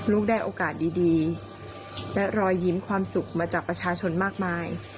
ลูกได้โอกาสดีและรอยยิ้มความสุขมาจากประชาชนมากมาย